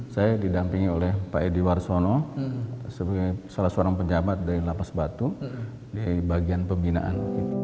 saya didampingi oleh pak edi warsono sebagai salah seorang penjabat dari lapas batu di bagian pembinaan